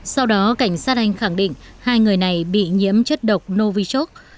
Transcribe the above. sau đó cảnh sát anh khẳng định hai người này bị nhiễm chất độc novichok